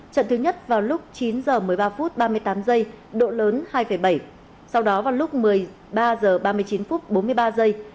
trận thứ nhất vào lúc chín h một mươi ba phút ba mươi tám giây độ lớn hai bảy sau đó vào lúc một mươi ba h ba mươi chín phút bốn mươi ba giây